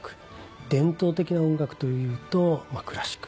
伝統的な音楽というとクラシック。